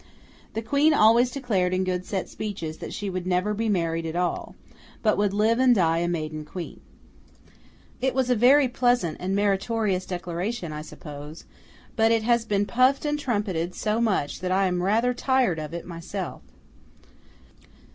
The Queen always declared in good set speeches, that she would never be married at all, but would live and die a Maiden Queen. It was a very pleasant and meritorious declaration, I suppose; but it has been puffed and trumpeted so much, that I am rather tired of it myself.